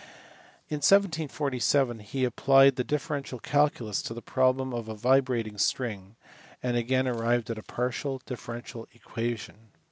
In 1747 he applied the differential cal culus to the problem of a vibrating string, and again arrived at a partial differential equation.